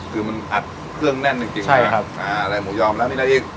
คือมันอัดเครื่องแน่นจริงจริงใช่ครับอ่าอะไรหมูยอมแล้วมีอะไรอีก